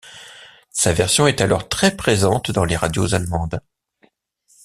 Sa version est alors très présente dans les radios allemandes.